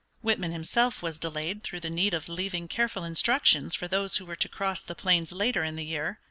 Whitman himself was delayed through the need of leaving careful instructions for those who were to cross the plains later in the year.